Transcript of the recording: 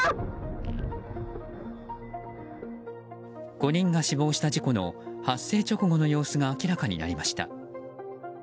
５人が死亡した事故の発生直後の様子が明らかになりました。